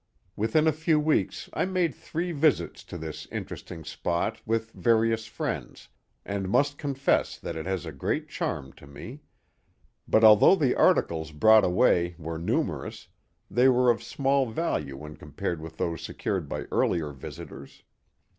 Within a few weeks I made three visits to this interesting spot with various friends, and must confess that it has a great charm to me; but although the articles brought away were numerous, they were of small value when compared with those secured by earlier visitors.